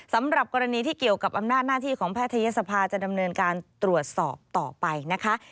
สำหรับกรณีที่เกี่ยวกับอำนาจหน้าที่ของแพทยศภาจะดำเนินการตรวจสอบต่อไปนะคะ